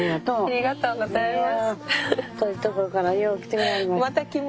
ありがとうございます。